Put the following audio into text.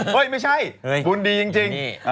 เฮ้ยไม่ใช่บุนดีจริง